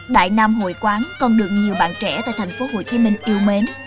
đại nam hội quán còn được nhiều bạn trẻ tại thành phố hồ chí minh yêu mến